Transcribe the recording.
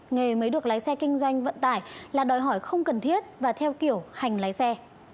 nghề mới được lái xe kinh doanh vận tải là đòi hỏi không cần thiết và theo kiểu hành lái xe